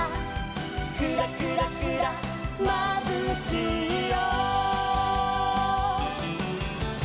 「クラクラクラまぶしいよ」